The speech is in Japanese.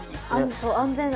そう安全だ。